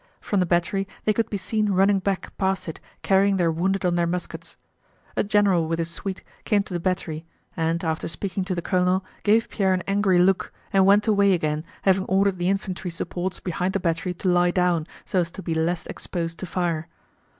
From the battery they could be seen running back past it carrying their wounded on their muskets. A general with his suite came to the battery, and after speaking to the colonel gave Pierre an angry look and went away again having ordered the infantry supports behind the battery to lie down, so as to be less exposed to fire.